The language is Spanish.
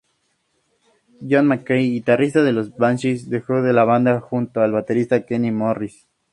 John McKay, guitarrista de los Banshees dejó la banda junto al baterista Kenny Morris.